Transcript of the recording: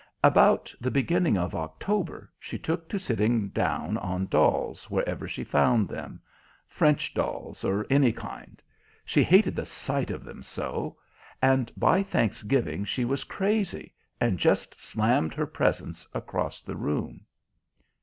About the beginning of October she took to sitting down on dolls wherever she found them French dolls, or any kind she hated the sight of them so; and by Thanksgiving she was crazy, and just slammed her presents across the room.